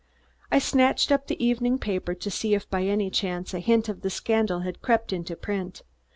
I snatched up the evening paper to see if by any chance a hint of the scandal had crept into print.